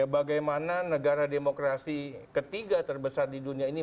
bagaimana negara demokrasi ketiga terbesar di dunia ini